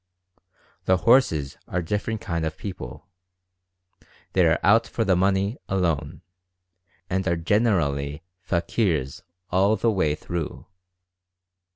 The "horses" are different kind of people — they are "out for the money" alone, and are generally "fakirs" all the way through.